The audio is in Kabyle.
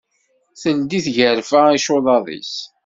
Teldi tgarfa icuḍaḍ-is.